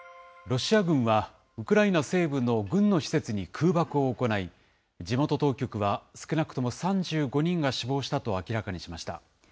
ロシア軍は、ウクライナ西部の軍の施設に空爆を行い、地元当局は、少なくとも３５人が死亡したと明らかにしました。